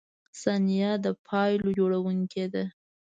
• ثانیه د پایلو جوړونکی ده.